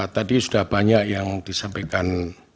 tadi sudah banyak yang disampaikan